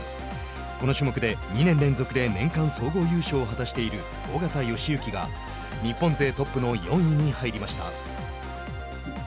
この種目で２年連続で年間総合優勝を果たしている緒方良行が日本勢トップの４位に入りました。